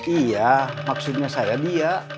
iya maksudnya saya dia